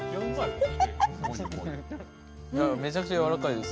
めちゃくちゃ柔らかいです。